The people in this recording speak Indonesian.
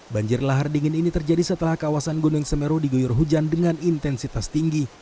banjir lahar dingin ini terjadi setelah kawasan gunung semeru diguyur hujan dengan intensitas tinggi